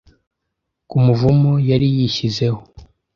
ku muvumo yari yishyizeho.